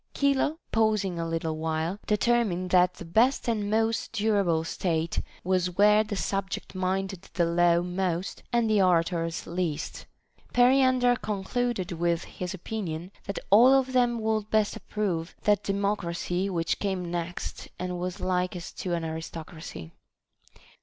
Chilo, pausing a little while, determined that the best and most durable state was where the subject minded the law most and the orators least. Periander concluded with his opinion, that all of them would best approve that de mocracy which came next and was likest to an arisocracy.